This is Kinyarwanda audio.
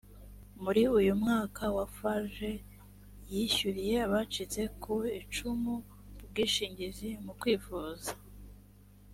muri uyu mwaka wa farg yishyuriye abacitse ku icumu ubwishingizi mu kwivuza